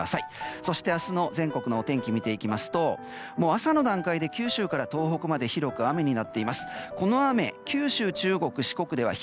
そして明日の全国のお天気を見ていきますと朝の段階で九州から東北まで広く雨です。